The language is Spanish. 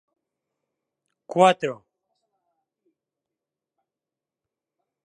La iglesia de San Juan Bautista en Calvi, tiene un estilo "barroco corso" único.